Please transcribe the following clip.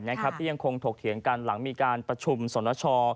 ที่เดี๋ยวคงทกเถียงกันหลังมีการประชุมสนชอ